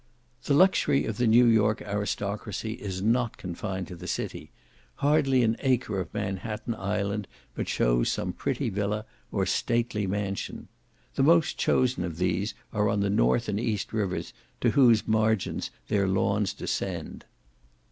The luxury of the New York aristocracy is not confined to the city; hardly an acre of Manhatten Island but shows some pretty villa or stately mansion. The most chosen of these are on the north and east rivers, to whose margins their lawns descend.